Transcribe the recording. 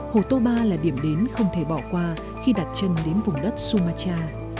hồ toba là điểm đến không thể bỏ qua khi đặt chân đến vùng đất sumatra